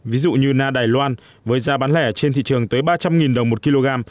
ví dụ như na đài loan với giá bán lẻ trên thị trường tới ba trăm linh đồng một kg